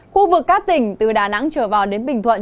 khu vực các tỉnh từ đà nẵng trở vào đến bình thuận